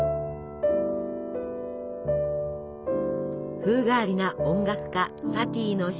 風変わりな音楽家サティの白い世界。